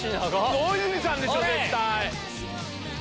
大泉さんでしょ絶対。